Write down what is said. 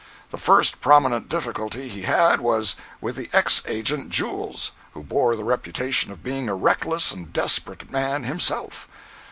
The first prominent difficulty he had was with the ex agent Jules, who bore the reputation of being a reckless and desperate man himself.